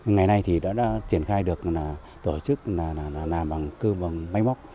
ngày nay thì đã triển khai được tổ chức làm bằng cơ bằng máy móc